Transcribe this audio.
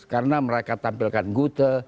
karena mereka tampilkan gute